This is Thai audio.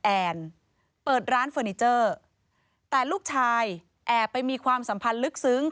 แอนเปิดร้านเฟอร์นิเจอร์แต่ลูกชายแอบไปมีความสัมพันธ์ลึกซึ้ง